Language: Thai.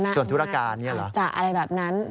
ส่วนธุรการอย่างนี้เหรอหลักจากอะไรแบบนั้น